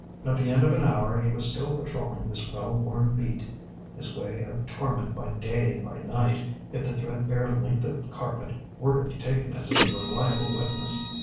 At the end of an hour he was still patrolling this well worn beat his way of torment by day and by night, if the threadbare length of carpet were to be taken as a reliable witness.